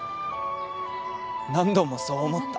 何度もそう思った。